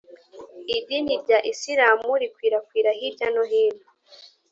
idini rya isilamu rikwirakwira hirya no hino